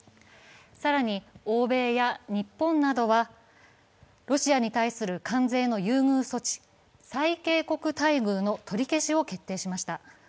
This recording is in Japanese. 更に欧米や日本などはロシアに対する関税の優遇措置、最恵国待遇の取り消しを決定しました。